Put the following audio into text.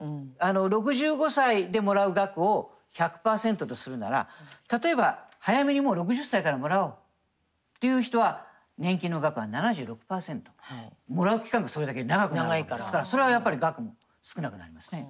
６５歳でもらう額を１００％とするなら例えば早めにもう６０歳からもらおうっていう人は年金の額は７６％。もらう期間がそれだけ長くなるわけですからそれはやっぱり額も少なくなりますね。